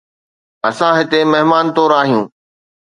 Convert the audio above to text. اسان هتي مهمان طور آهيون